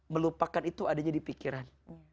melupakan itu adanya di pikiran